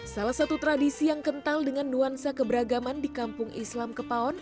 salah satu tradisi yang kental dengan nuansa keberagaman di kampung islam kepaon